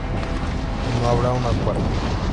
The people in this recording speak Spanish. Y no habrá una cuarta.